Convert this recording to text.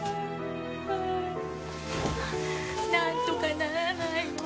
なんとかならないの？